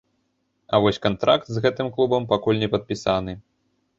А вось кантракт з гэтым клубам пакуль не падпісаны.